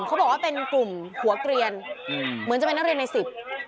เขาบอกว่าเป็นกลุ่มหัวเกลียนเหมือนจะเป็นนักเรียนในสิบ